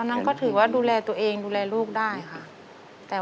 แต่คุณตาไม่ได้บริควัติ